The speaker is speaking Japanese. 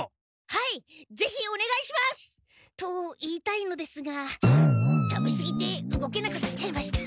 はいぜひおねがいします！と言いたいのですが食べすぎて動けなくなっちゃいました。